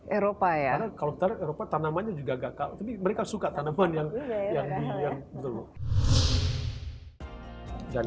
eropa ya kalau terlupa tanamannya juga gagal tapi mereka suka tanaman yang yang